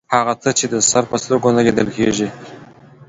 هغه څه چې د سر په سترګو نه لیدل کیږي